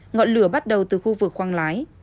ngọn lửa bắt đầu từ khu vực khoang lái